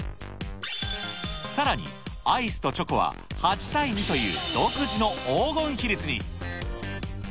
さらにアイスとチョコは８対２という独自の黄金比率に。